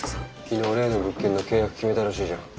昨日例の物件の契約決めたらしいじゃん。